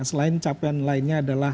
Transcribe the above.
selain capaian lainnya adalah